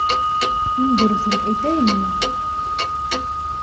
- Иң дөрөҫөн әйтәйемме?